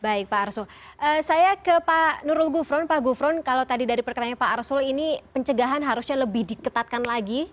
baik pak arsul saya ke pak nurul gufron pak gufron kalau tadi dari pertanyaan pak arsul ini pencegahan harusnya lebih diketatkan lagi